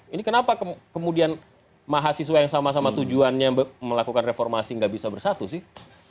ini kenapa kemudian mahasiswa yang sama sama tujuannya melakukan reformasi nggak bisa bersatu sih